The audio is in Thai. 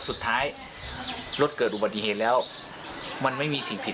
ส่งมาขอความช่วยเหลือจากเพื่อนครับ